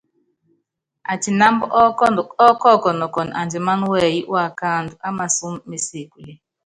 Atinámb ɔ́kɔkɔnɔ kɔn andimán wɛyɛ́ waakándɔ́ á masɔ́m mé sebúle.